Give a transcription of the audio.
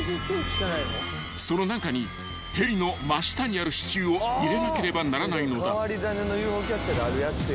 ［その中にヘリの真下にある支柱を入れなければならないのだ］